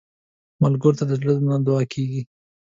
ملګری ته د زړه نه دعا کېږي